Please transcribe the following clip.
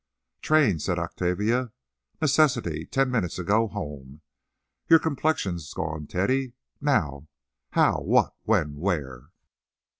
"Train," said Octavia; "necessity; ten minutes ago; home. Your complexion's gone, Teddy. Now, how—what—when—where?"